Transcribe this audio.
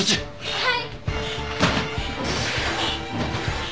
はい。